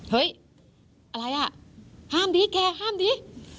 เฮ้ยอะไรอ่ะห้ามดีแกห้ามดิ